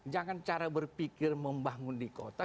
jangan cara berpikir membangun di kota